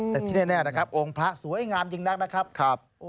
แต่ที่แน่นะครับองค์พระสวยงามยิ่งนักนะครับ